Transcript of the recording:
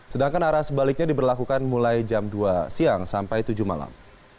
sedangkan arah sebaliknya diberlakukan mulai jam dua siang sampai tujuh malam